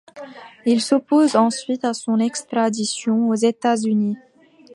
Il s'oppose ensuite à son extradition aux États-Unis.